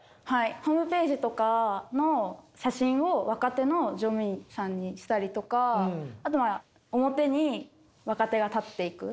ホームページとかの写真を若手の乗務員さんにしたりとかあとは表に若手が立っていく。